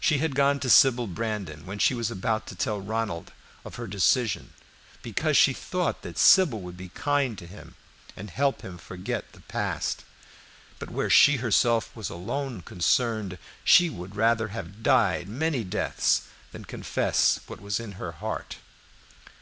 She had gone to Sybil Brandon when she was about to tell Ronald of her decision, because she thought that Sybil would be kind to him and help him to forget the past; but where she herself was alone concerned, she would rather have died many deaths than confess what was in her heart.